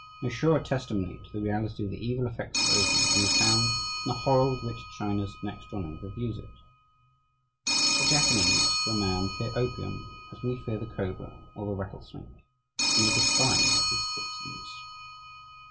No surer testimony to the reality of the evil effects of opium can be found than the horror with which China's next door neighbour views it.... The Japanese to a man fear opium as we fear the cobra or the rattlesnake, and they despise its victims.